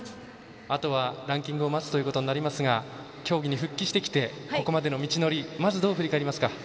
あとはランキングを待つということになりますが競技に復帰してきてここまでの道のりどういうふうに振り返りますか？